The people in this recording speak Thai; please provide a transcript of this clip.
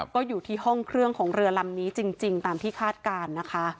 ก็อยู่ที่ห้องเครื่องของเรือลำนี้จริงตามที่คาดการณ์นะคะ